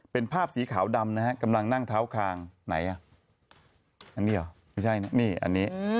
เป็นภาพสีขาวดำนะฮะกำลังนั่งเท้าคางไหนอ่ะอันนี้เหรอไม่ใช่นะนี่อันนี้